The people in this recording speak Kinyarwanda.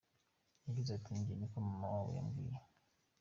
Yagize ati “njye niko mama wabo yambwiye.